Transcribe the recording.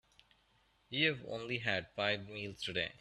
You've only had five meals today.